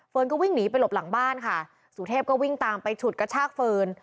ก็วิ่งหนีไปหลบหลังบ้านค่ะสุเทพก็วิ่งตามไปฉุดกระชากเฟิร์น